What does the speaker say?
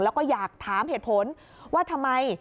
แล้วก็อยากถามเหตุผลว่าทำไม